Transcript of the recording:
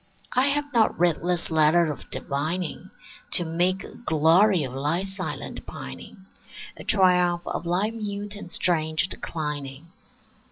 I have not writ this letter of divining To make a glory of thy silent pining, A triumph of thy mute and strange declining.